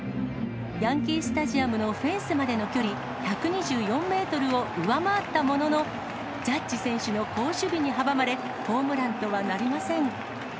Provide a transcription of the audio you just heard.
ヤンキースタジアムのフェンスまでの距離１２４メートルを上回ったものの、ジャッジ選手の好守備に阻まれ、ホームランとはなりません。